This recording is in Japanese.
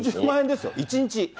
１１０万円ですよ、１日。